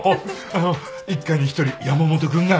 あの一家に１人山本君が。